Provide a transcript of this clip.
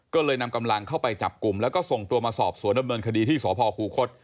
ก็เลยนำกำลังเข้าไปจับกลุ่มแล้วก็ส่งตัวมาสอบสวนดำเนินคดีที่สพคูคศ